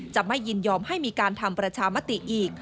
จะไม่ยินยอมให้มีการทำประชามติอีก